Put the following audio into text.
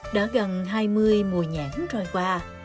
đã gần hai mươi mùa nhãn trôi qua